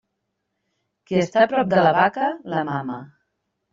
Qui està prop de la vaca, la mama.